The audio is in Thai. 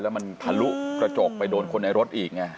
แล้วมันทะลุกระจกไปโดนคนในรถอีกไง